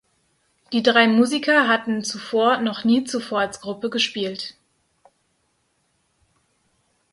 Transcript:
Die drei Musiker hatten zuvor noch nie zuvor als Gruppe gespielt.